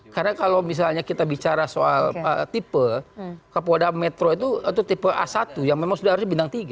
karena kalau misalnya kita bicara soal tipe kapolda metro itu tipe a satu yang memang sudah harusnya bintang tiga